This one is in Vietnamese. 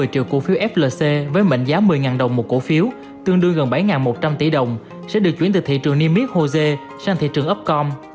bảy trăm một mươi triệu cổ phiếu flc với mệnh giá một mươi đồng một cổ phiếu tương đương gần bảy một trăm linh tỷ đồng sẽ được chuyển từ thị trường nimitz hồ dê sang thị trường opcom